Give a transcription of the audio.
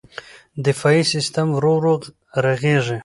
دفاعي سیستم ورو ورو رغېږي.